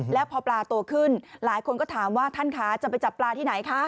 แล้วพอปลาโตขึ้นหลายคนก็ถามว่าท่านคะจะไปจับปลาที่ไหนคะ